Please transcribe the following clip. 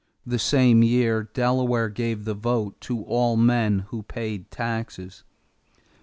In the same year Delaware gave the vote to all men who paid taxes.